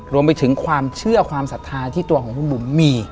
รวมไปถึงความเชื่อความศรัทธาที่ตัวของคุณบุ๋มมี